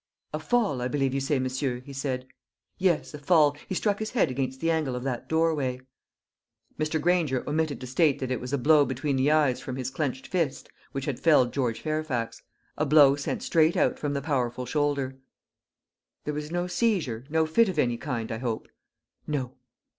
"A fall, I believe you say, monsieur!" he said. "Yes, a fall. He struck his head against the angle of that doorway." Mr. Granger omitted to state that it was a blow between the eyes from his clenched fist which had felled George Fairfax a blow sent straight out from the powerful shoulder. "There was no seizure no fit of any kind, I hope?" "No."